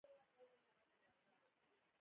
ایا ستاسو نظر به پاک نه وي؟